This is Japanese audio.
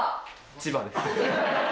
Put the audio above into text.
千葉です。